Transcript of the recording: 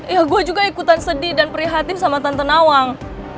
ya gue juga ikutan sedih dan prihatin sama tante nawang